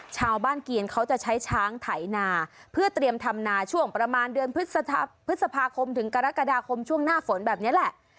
ชาวบ้านเกียรเขาจะใช้ช้างไถนาเพื่อเตรียมทำนาช่วงประมาณเดือนพฤษภาคมถึงกรกฎาคมช่วงหน้าฝนแบบนี้แหละ